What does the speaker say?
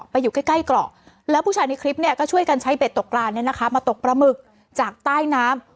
พวกผู้ชายในคลิปเนี่ยก็ช่วยกันใช้เบ็ดตกการเนี่ยนะคะมาตกประมึกจากใต้น้ำ